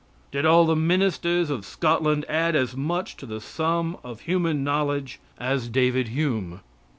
Did all the ministers of Scotland add as much to the sum of human knowledge as David Hume?